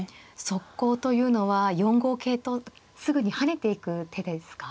速攻というのは４五桂とすぐに跳ねていく手ですか。